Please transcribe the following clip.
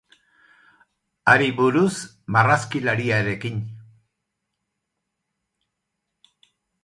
Hari buruz, marrazkilariarekin.